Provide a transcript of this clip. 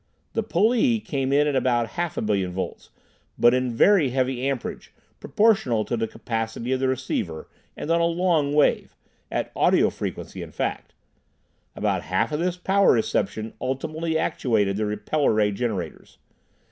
The "pullee" came in at about a half billion volts, but in very heavy amperage, proportional to the capacity of the receiver, and on a long wave at audio frequency in fact. About half of this power reception ultimately actuated the repeller ray generators.